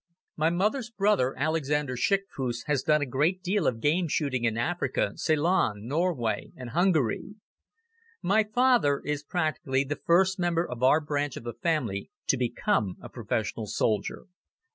My mother's brother, Alexander Schickfuss, has done a great deal of game shooting in Africa, Ceylon, Norway and Hungary. My father is practically the first member of our branch of the family to become a professional soldier.